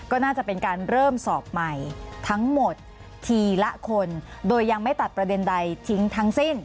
ก็น่าจะเป็นการเริ่มสอบใหม่ทั้งหมดทีละคนโดยยังไม่ตัดประเด็นใดทิ้งทั้งสิ้น